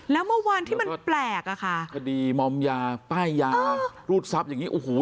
แล้วเมื่อวานที่มันแปลกอ่ะค่ะคดีมอมยาป้ายยารูดทรัพย์อย่างนี้โอ้โห